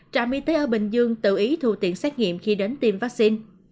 trạm y tế ở bình dương tự ý thu tiền xét nghiệm khi đến tiêm vaccine